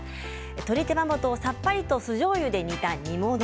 鶏手羽元をさっぱりと酢じょうゆで煮た煮物。